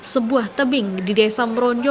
sebuah tebing di desa meronjo